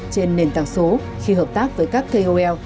trên nền tảng số khi hợp tác với các kol